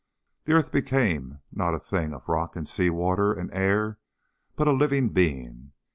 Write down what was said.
The earth became not a thing of rock and sea water and air, but a living being.